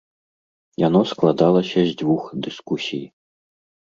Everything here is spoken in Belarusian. Яно складалася з дзвюх дыскусій.